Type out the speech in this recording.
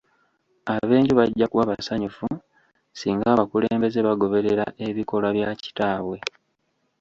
Ab'enju bajja kuba basanyufu singa abakulembeze bagoberera ebikolwa bya kitaabwe.